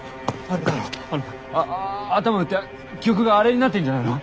あのあ頭打って記憶があれになってんじゃないの？